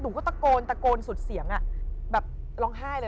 หนูก็ตะโกนตะโกนสุดเสียงแบบร้องไห้เลย